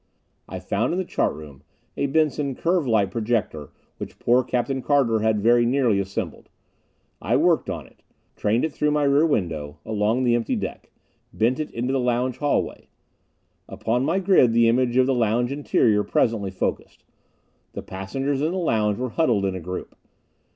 I found, in the chart room, a Benson curve light projector which poor Captain Carter had very nearly assembled. I worked on it, trained it through my rear window, along the empty deck; bent it into the lounge archway. Upon my grid the image of the lounge interior presently focused. The passengers in the lounge were huddled in a group.